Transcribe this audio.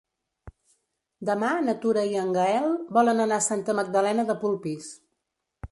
Demà na Tura i en Gaël volen anar a Santa Magdalena de Polpís.